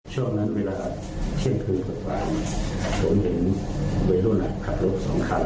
ช่วงนั้นเวลาเที่ยงคืนกว่าผมเห็นวัยรุ่นขับรถสองคัน